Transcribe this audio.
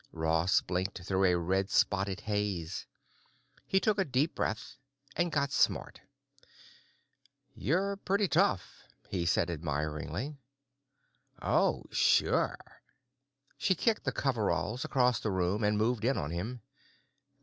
Ross blinked through a red spotted haze. He took a deep breath and got smart. "You're pretty tough," he said admiringly. "Oh, sure." She kicked the coveralls across the room and moved in on him.